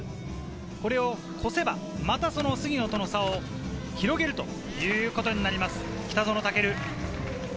これを越せば、また杉野との差を広げるということになります、北園丈琉。